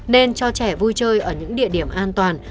nên cho trẻ vui chơi ở những địa điểm an toàn